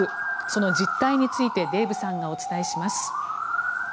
その実態についてデーブさんがお伝えします。